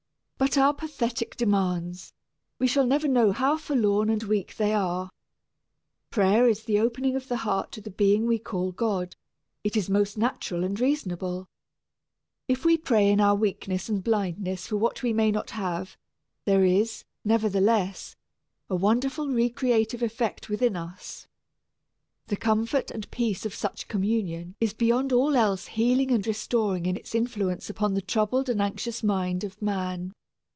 But our pathetic demands we shall never know how forlorn and weak they are. Prayer is the opening of the heart to the being we call God it is most natural and reasonable. If we pray in our weakness and blindness for what we may not have, there is, nevertheless, a wonderful re creative effect within us. The comfort and peace of such communion is beyond all else healing and restoring in its influence upon the troubled and anxious mind of man.